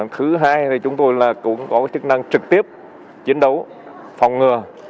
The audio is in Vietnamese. thứ hai chúng tôi cũng có chức năng trực tiếp chiến đấu phòng ngừa